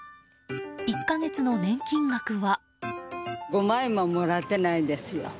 １か月の年金額は。